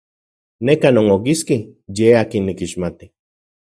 Neka non okiski ye akin nikixmati.